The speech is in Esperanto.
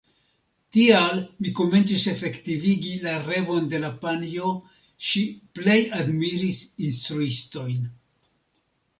Tial mi komencis efektivigi la revon de la panjo: ŝi plej admiris instruistojn.